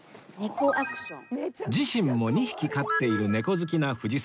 自身も２匹飼っている猫好きな藤さん